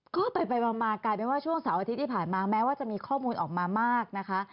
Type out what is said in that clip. ก็ไปมากลายเป็นว่าช่วงเสาร์อาทิตย์ที่ผ่านมาแม้ว่าจะมีข้อมูลออกมามากนะคะ